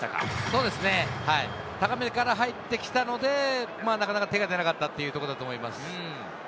そうですね、高めから入ってきたので、なかなか手が出なかったというところだと思います。